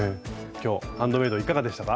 今日「ハンドメイド」いかがでしたか？